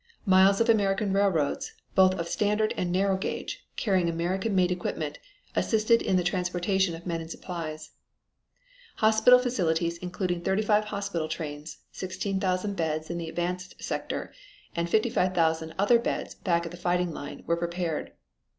Miles of American railroads, both of standard and narrow gauge, carrying American made equipment, assisted in the transportation of men and supplies. Hospital facilities including 35 hospital trains, 16,000 beds in the advanced sector, and 55,000 other beds back of the fighting line, were prepared.